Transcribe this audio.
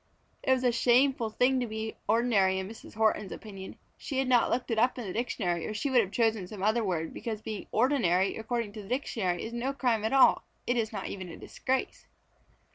It was a shameful thing to be ordinary in Mrs. Horton's opinion. She had not looked it up in the dictionary or she would have chosen some other word because being ordinary according to the dictionary is no crime at all. It is not even a disgrace.